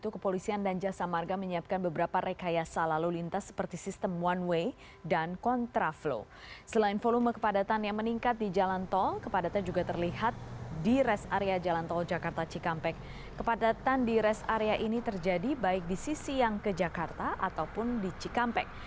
kepadatan di rest area ini terjadi baik di sisi yang ke jakarta ataupun di cikampek